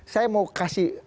saya mau kasih